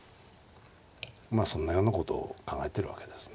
まあそんなようなことを考えてるわけですね。